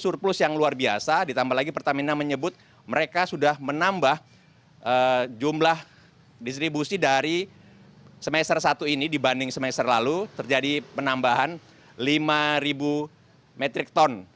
surplus yang luar biasa ditambah lagi pertamina menyebut mereka sudah menambah jumlah distribusi dari semester satu ini dibanding semester lalu terjadi penambahan lima metric ton